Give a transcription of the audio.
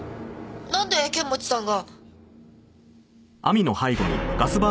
なんで剣持さんが。